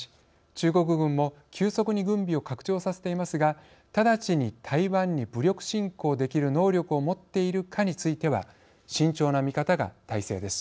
中国軍も急速に軍備を拡張させていますが直ちに台湾に武力侵攻できる能力を持っているかについては慎重な見方が大勢です。